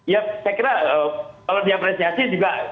ya saya kira kalau diapresiasi juga